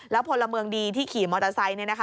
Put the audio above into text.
แล้วพลเมืองดีที่ขี่มอเตอร์ไซส์